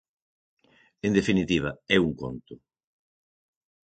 En definitiva, é un conto.